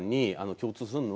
共通するもの